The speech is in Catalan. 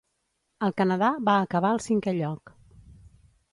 El Canadà va acabar al cinquè lloc.